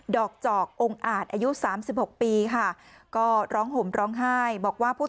ดอกเจาะองค์อ่าดอายุ๓๖ปีค่ะก็ร้องห่มร้องห้ายบอกว่าผู้